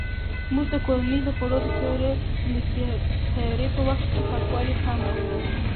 مور د کورنۍ د خوړو د تیاري په وخت پاکوالي ته پام کوي.